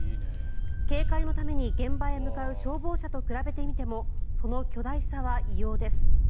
警戒のために現場へ向かう消防車と比べてみてもその巨大さは異様です。